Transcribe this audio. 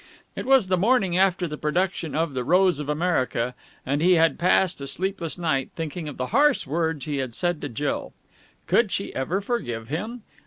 It was the morning after the production of "The Rose of America," and he had passed a sleepless night, thinking of the harsh words he had said to Jill. Could she ever forgive him?